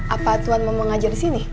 apa tuhan mau mengajar disini